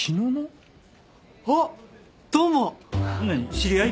知り合い？